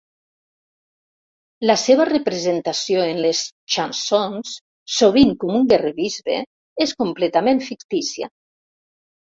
La seva representació en les "chansons", sovint com un guerrer-bisbe, és completament fictícia.